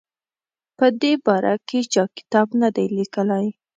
په دې باره کې چا کتاب نه دی لیکلی.